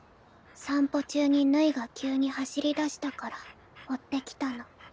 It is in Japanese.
散歩中にヌイが急に走りだしたから追ってきたの。